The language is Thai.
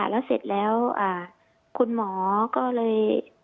แล้วเสร็จแล้วคุณหมอก็เลย